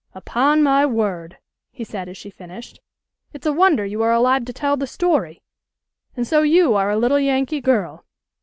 "Upon my word!" he said as she finished. "It's a wonder you are alive to tell the story. And so you are a little Yankee girl?